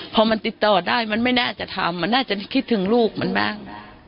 พอมันติดต่อได้มันไม่น่าจะทำมันน่าจะคิดถึงลูกมันบ้าง